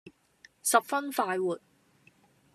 十分快活。